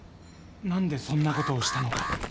何でそんなことをしたのか？